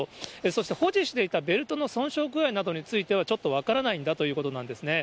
そして保持していたベルトの損傷具合などについては、ちょっと分からないんだということなんですね。